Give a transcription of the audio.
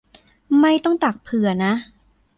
ไม่ต้องตักเผื่อนะ